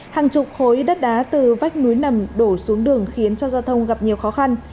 hàng chục khối đất đá từ vách núi nằm đổ xuống đường khiến cho giao thông gặp nhiều khó khăn